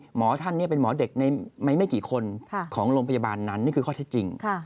หมอท่านนี้เป็นหมอเด็กในไม่กี่คนของโรงพยาบาลนั้นนี่คือข้อเท็จจริง